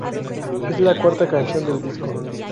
Es la cuarta canción del disco.